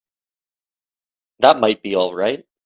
That might be all right.